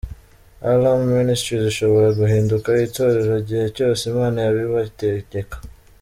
Alarm Ministries ishobora guhinduka itorero igihe cyose Imana yabibategeka.